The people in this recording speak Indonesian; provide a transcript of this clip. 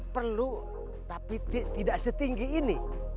perlu tapi tidak setinggi ini